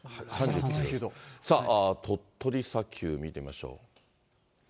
鳥取砂丘見てみましょう。